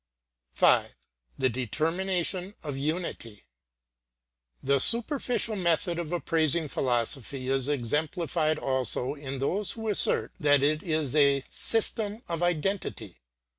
V. The Determination of Unity The superficial method of appraising philosophy is exemplified also in those who assert that it is a "system of identity."